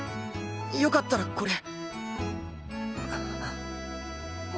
よかったらこれ。